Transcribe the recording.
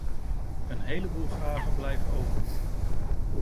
Een heleboel vragen blijven open.